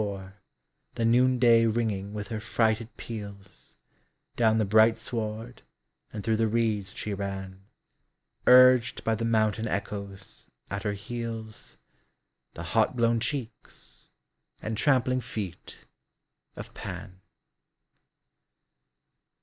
THE BIRD AND THE HOUR The noonday ringing with her frighted peals, Down the bright sward and through the reeds she ran^ Urged by the mountain echoes, at her heels The hot blown cheeks and trampling feet of Pan.